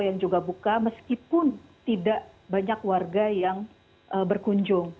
yang juga buka meskipun tidak banyak warga yang berkunjung